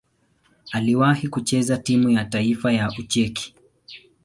Aliwahi kucheza timu ya taifa ya Ucheki.